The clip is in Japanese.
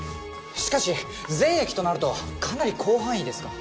しかし全駅となるとかなり広範囲ですが。